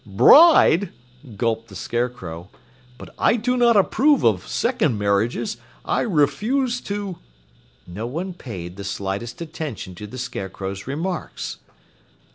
"Bride!" gulped the Scarecrow. "But I do not approve of second marriages. I refuse to " No one paid the slightest attention to the Scarecrow's remarks.